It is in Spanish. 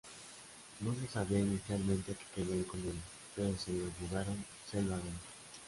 No se sabía inicialmente que querían con ellos, pero se los llevaron selva adentro.